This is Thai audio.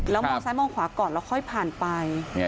แล้วมองซ้ายมองขวาก่อนแล้วค่อยผ่านไป